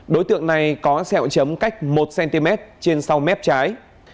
đối tượng này có sẹo chấm cách một cm trên sau mép trái